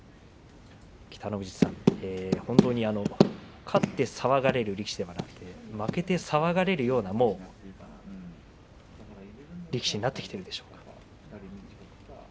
北の富士さん、本当に勝って騒がれる力士ではなく負けて騒がれるような力士になってきているでしょうか。